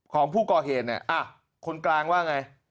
ของผู้ก่อเหตุเนี่ยคนกลางว่าไง